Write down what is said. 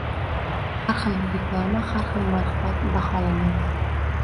Har xil reklama har xil narxda baholanadi